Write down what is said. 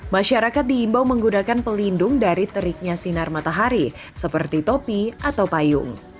masyarakat diimbau menggunakan pelindung dari teriknya sinar matahari seperti topi atau payung